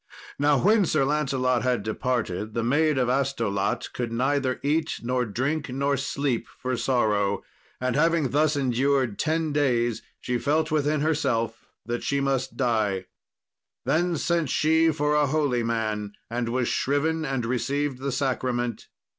Now when Sir Lancelot had departed, the Maid of Astolat could neither eat, nor drink, not sleep for sorrow; and having thus endured ten days, she felt within herself that she must die. Then sent she for a holy man, and was shriven and received the sacrament.